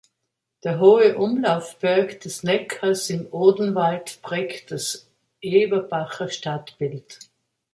Der hohe Umlaufberg des Neckars im Odenwald prägt das Eberbacher Stadtbild.